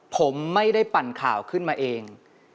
ผมไม่ได้ปั่นข่าวขึ้นมาเอง